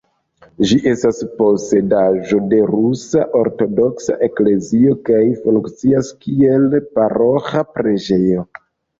Ĝi estas posedaĵo de la Rusa Ortodoksa Eklezio kaj funkcias kiel paroĥa preĝejo.